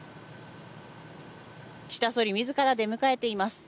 岸田総理自ら出迎えています。